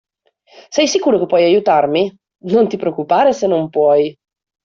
Sei sicuro che puoi aiutarmi? Non ti preoccupare se non puoi.